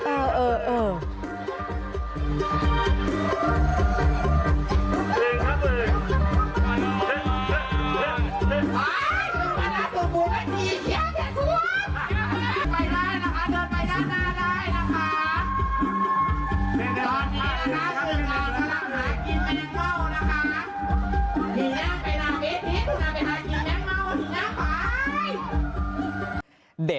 เออเออเออ